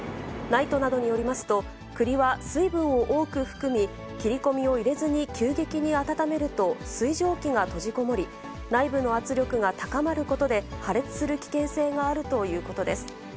ＮＩＴＥなどによりますと、くりは水分を多く含み、切り込みを入れずに急激に温めると水蒸気が閉じこもり、内部の圧力が高まることで破裂する危険性があるということです。